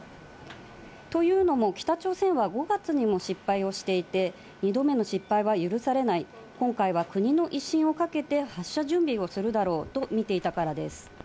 というのも、北朝鮮は５月にも失敗をしていて、２度目の失敗は許されない、今回は国の威信をかけて発射準備をするだろうと見ていたからです。